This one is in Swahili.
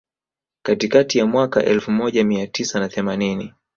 Katikati ya mwaka elfu moja mia tisa na themanini